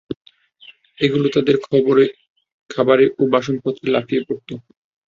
এগুলো তাদের খাবারে ও বাসনপত্রে লাফিয়ে পড়ত।